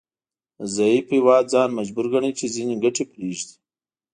ضعیف هیواد ځان مجبور ګڼي چې ځینې ګټې پریږدي